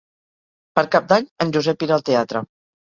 Per Cap d'Any en Josep irà al teatre.